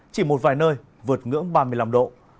chỉ một vài nơi vượt ngưỡng ba mươi năm độ